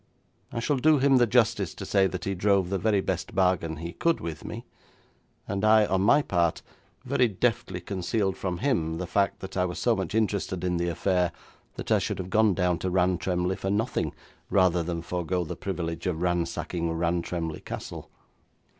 I shall do him the justice to say that he drove the very best bargain he could with me, and I, on my part, very deftly concealed from him the fact that I was so much interested in the affair that I should have gone down to Rantremly for nothing rather than forgo the privilege of ransacking Rantremly Castle.